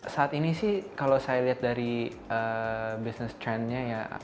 saat ini sih kalau saya lihat dari bisnis trendnya ya